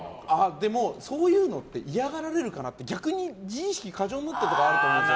でも、そういうのって嫌がられるかなって逆に自意識過剰になってるところがあると思うんです。